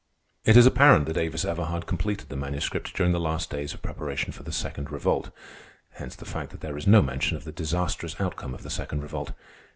It is apparent that Avis Everhard completed the Manuscript during the last days of preparation for the Second Revolt; hence the fact that there is no mention of the disastrous outcome of the Second Revolt.